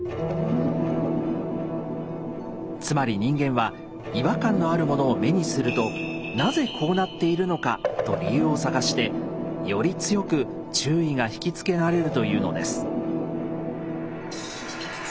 つまり人間は違和感のあるものを目にすると「なぜこうなっているのか」と理由を探してより強く注意がひきつけられるというのです。